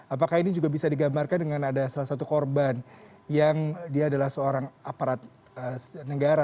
apakah ini juga bisa digambarkan dengan ada salah satu korban yang dia adalah seorang aparat negara